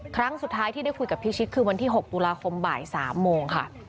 ครั้งสุดท้ายที่ได้คุยกับพิชิตคือวันที่๖ตุลาคมบ่าย๓โมงค่ะ